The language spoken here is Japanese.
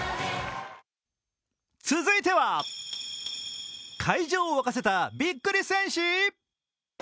続いては会場を沸かせたビックリ戦士。